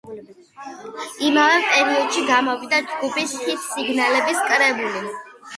იმავე პერიოდში გამოვიდა ჯგუფის ჰიტ-სინგლების კრებული.